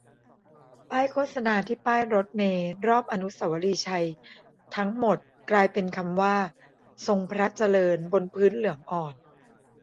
ป้ายโฆษณาที่ป้ายรถเมล์รอบอนุสาวรีย์ชัยทั้ง หมด กลายเป็นคำว่า "ทรงพระเจริญ" บนพื้นเหลืองอ่อน